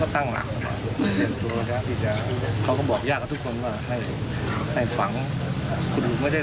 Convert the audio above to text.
เราตั้งใจแต่เราให้เจอเมียเขาก่อนแต่นี่เราให้เจอไม่ได้